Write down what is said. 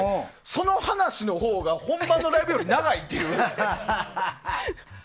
その話のほうが本番のライブより長いっていう。